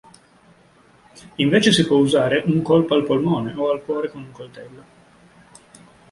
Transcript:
Invece si può usare un colpo al polmone o al cuore con un coltello.